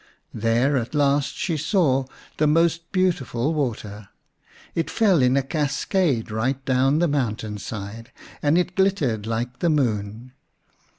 There at last she saw the most beautiful water. It fell in a cascade right down the mountain side, and it glittered like the moon.